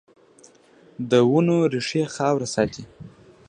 د ونو ریښې خاوره ساتي